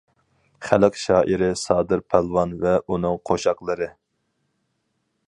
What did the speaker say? -خەلق شائىرى سادىر پالۋان ۋە ئۇنىڭ قوشاقلىرى.